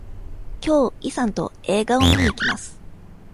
きょうイさんと映画を見に行きます。